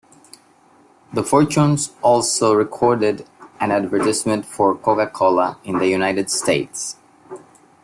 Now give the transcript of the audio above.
The Fortunes also recorded an advertisement for Coca-Cola in the United States.